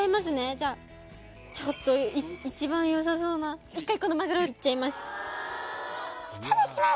じゃあちょっと一番よさそうな１回このマグロいっちゃいますいただきます！